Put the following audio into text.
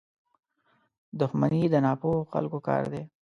• دښمني د ناپوهو خلکو کار دی.